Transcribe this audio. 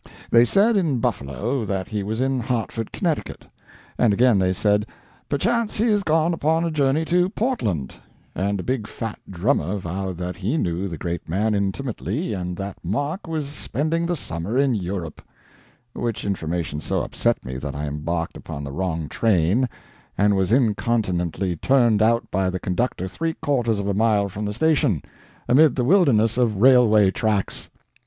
They said in Buffalo that he was in Hartford, Conn.; and again they said "perchance he is gone upon a journey to Portland"; and a big, fat drummer vowed that he knew the great man intimately, and that Mark was spending the summer in Europe—which information so upset me that I embarked upon the wrong train, and was incontinently turned out by the conductor three quarters of a mile from the station, amid the wilderness of railway tracks.